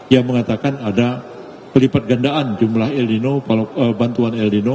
yang mengatakan ada pelipat gandaan jumlah ilnino bantuan ilnino